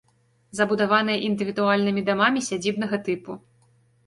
Забудаваная індывідуальнымі дамамі сядзібнага тыпу.